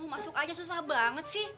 masuk aja susah banget sih